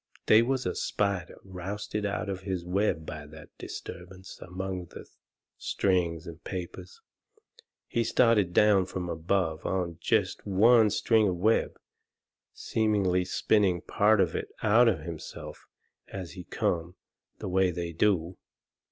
They was a spider rousted out of his web by that disturbance among the strings and papers. He started down from above on jest one string of web, seemingly spinning part of it out of himself as he come, the way they do.